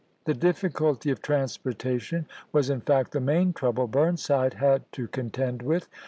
The difficulty of transportation was in fact the main trouble Burn side had to contend with.